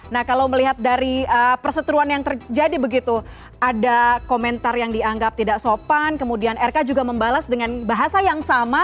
nah kalau melihat dari perseteruan yang terjadi begitu ada komentar yang dianggap tidak sopan kemudian rk juga membalas dengan bahasa yang sama